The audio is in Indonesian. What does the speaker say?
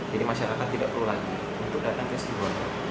jadi masyarakat tidak perlu lagi untuk datang ke situbondo